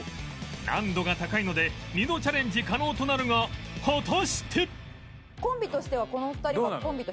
難度が高いので２度チャレンジ可能となるが果たして